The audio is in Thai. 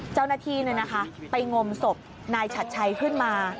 เจ้าหน้าที่ไปงมศพนายฉัดชัยขึ้นมา